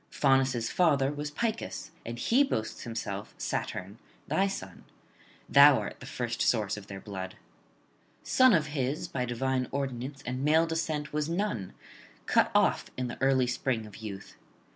Faunus' father was Picus; and he boasts himself, Saturn, thy son; thou art the first source of their blood. Son of his, by divine ordinance, and male descent was none, cut off in the early spring of youth.